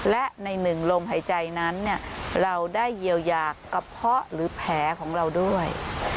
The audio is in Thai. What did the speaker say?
และในหนึ่งลมหายใจนั้นเราได้เยียวยากระเพาะหรือแผลของเราด้วย